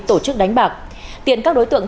tổ chức đánh bạc tiện các đối tượng